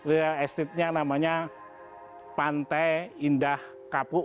itu ya estetiknya namanya pantai indah kapu